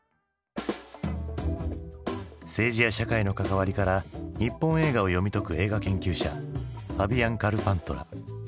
政治や社会の関わりから日本映画を読み解く映画研究者ファビアン・カルパントラ。